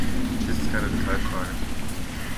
Dies ist keine Detailfrage.